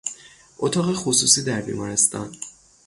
اتاق خصوصی در بیمارستان